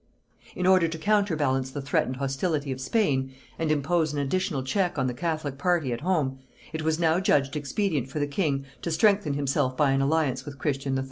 In order to counterbalance the threatened hostility of Spain, and impose an additional check on the catholic party at home, it was now judged expedient for the king to strengthen himself by an alliance with Christian III.